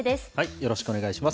よろしくお願いします。